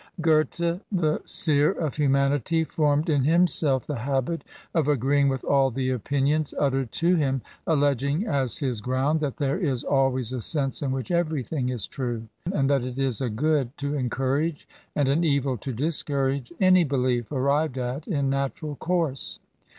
Giithe, the seer of humanity, formed in himself the habit of agreeing with all the opinions uttered to him, alleging as his ground that there is always a sense in which everything is true, and that it IB a good to encourage, and an evil to discourage, any belief arrived at in natural course.